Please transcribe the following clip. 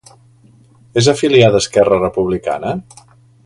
És afiliada a Esquerra Republicana?